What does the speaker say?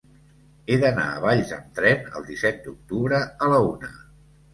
He d'anar a Valls amb tren el disset d'octubre a la una.